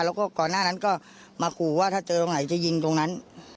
แล้วก็ก่อนหน้านั้นก็มาขู่ว่าถ้าเจอตรงไหนจะยิงตรงนั้น